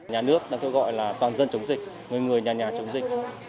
nhà nước đang gọi là toàn dân chống dịch người nhà nhà chống dịch